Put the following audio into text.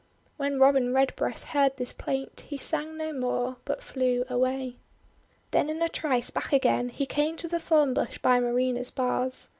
When Robin Redbreast heard this plaint, he sang no more, but flew away. Then in a trice back again he came to the thorn bush by Marina's bars.